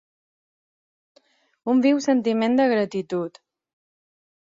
Un viu sentiment de gratitud.